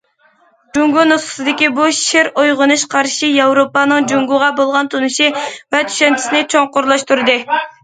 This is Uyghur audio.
جۇڭگو نۇسخىسىدىكى بۇ« شىر ئويغىنىش قارىشى» ياۋروپانىڭ جۇڭگوغا بولغان تونۇشى ۋە چۈشەنچىسىنى چوڭقۇرلاشتۇردى.